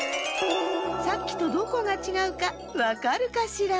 さっきとどこがちがうかわかるかしら？